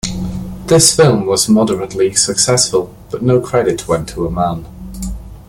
The film was moderately successful but no credit went to Aman.